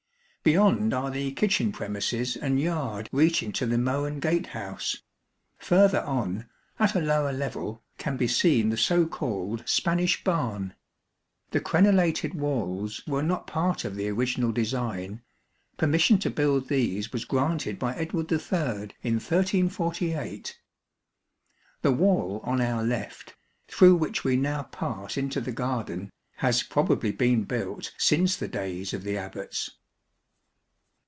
Beyond are the kitchen premises and yard reaching to the Moliun gate house. Further on, at a lower level, can be seen the so called Spanish barn. The crenellated walls were not part of the original design, permission to build these was granted by Edward III in 1348. The wall on our left, through which we now pass into the garden, has probably been built since the days of the Abbats.